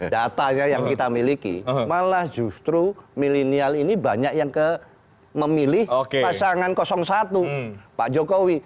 data yang kita miliki malah justru milenial ini banyak yang memilih pasangan satu pak jokowi